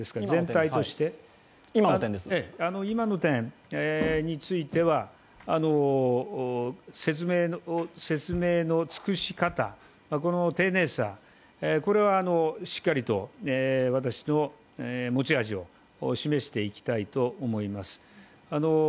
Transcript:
今の点については、説明の尽くし方、丁寧さはしっかりと私の持ち味を示していきたいと思います。